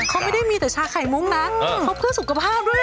เขาไม่ได้มีแต่ชาไข่มุ้งนะเขาเพื่อสุขภาพด้วย